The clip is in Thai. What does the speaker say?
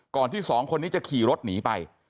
ที่สองคนนี้จะขี่รถหนีไป